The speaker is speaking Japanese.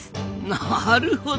なるほど！